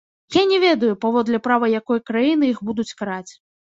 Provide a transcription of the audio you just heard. Я не ведаю, паводле права якой краіны іх будуць караць.